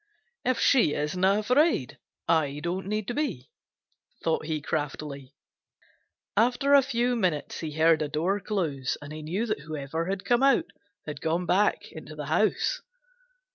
"If she isn't afraid, I don't need to be," thought he craftily. After a few minutes he heard a door close and knew that whoever had come out had gone back into the house.